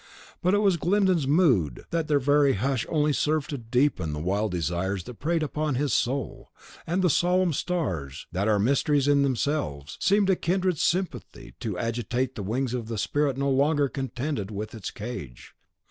But such was Glyndon's mood that their very hush only served to deepen the wild desires that preyed upon his soul; and the solemn stars, that are mysteries in themselves, seemed, by a kindred sympathy, to agitate the wings of the spirit no longer contented with its cage.